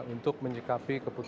untuk menyikapi keputusan